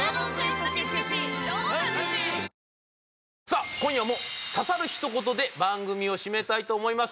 さあ今夜も刺さる一言で番組を締めたいと思います。